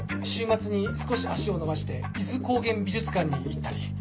週末に少し足を延ばして伊豆高原美術館に行ったり。